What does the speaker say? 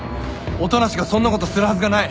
音無がそんなことするはずがない！